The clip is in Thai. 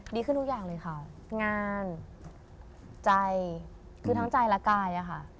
ดีขึ้นทุกอย่างเลยค่ะงานใจคือทั้งใจและกายอะค่ะ